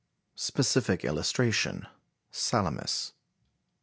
Specific Illustration Salamis.